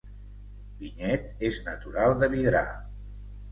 Vinyet és natural de Vidrà